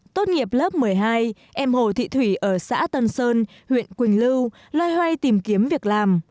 tốt nghiệp lớp một mươi hai em hồ thị thủy ở xã tân sơn huyện quỳnh lưu loay hoay tìm kiếm việc làm